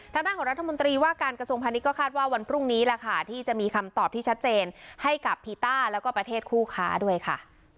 ทางด้านของรัฐมนตรีว่าการกระทรวงพาณิชยก็คาดว่าวันพรุ่งนี้แหละค่ะที่จะมีคำตอบที่ชัดเจนให้กับพีต้าแล้วก็ประเทศคู่ค้าด้วยค่ะ